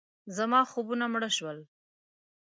زما خوبونه مړه شول.